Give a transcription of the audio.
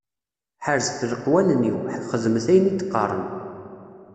Ḥerzet leqwanen-iw, xeddmet ayen i d-qqaren.